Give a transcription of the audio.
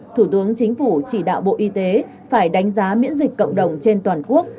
thủ tướng chính phủ chỉ đạo bộ y tế phải đánh giá miễn dịch cộng đồng trên toàn quốc